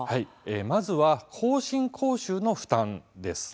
まずは更新講習の負担です。